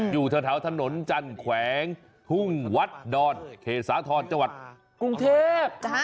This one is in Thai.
อยู่แถวถนนจันทร์แขวงทุ่งวัดดอนเขตสาธรณ์จังหวัดกรุงเทพ